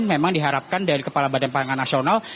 memang diharapkan dari kepala badan pangan nasional